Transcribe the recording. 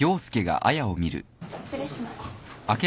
失礼します。